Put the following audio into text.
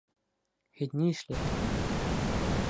Һин ни эшләйһең?